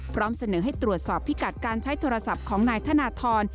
พร้อมเสนอให้ตรวจสอบพิกัดการใช้โทรศัพท์ของนายธนทร